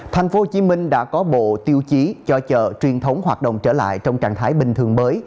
thành phố hồ chí minh đã có bộ tiêu chí cho chợ truyền thống hoạt động trở lại trong trạng thái bình thường mới